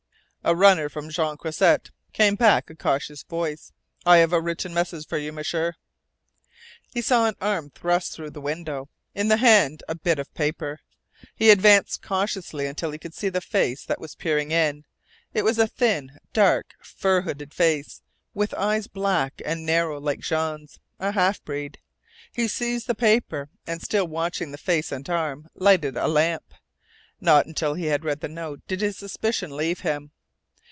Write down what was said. "A runner from Jean Croisset," came back a cautious voice. "I have a written message for you, M'sieur." He saw an arm thrust through the window, in the hand a bit of paper. He advanced cautiously until he could see the face that was peering in. It was a thin, dark, fur hooded face, with eyes black and narrow like Jean's, a half breed. He seized the paper, and, still watching the face and arm, lighted a lamp. Not until he had read the note did his suspicion leave him.